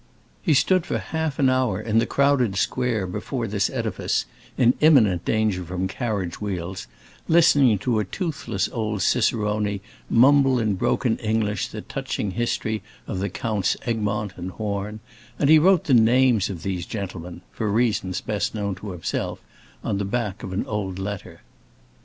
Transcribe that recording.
He stood for half an hour in the crowded square before this edifice, in imminent danger from carriage wheels, listening to a toothless old cicerone mumble in broken English the touching history of Counts Egmont and Horn; and he wrote the names of these gentlemen—for reasons best known to himself—on the back of an old letter.